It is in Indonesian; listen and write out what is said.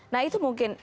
nah itu mungkin